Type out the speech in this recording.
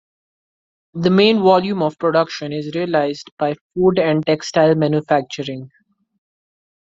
The main volume of production is realized by food and textile manufacturing.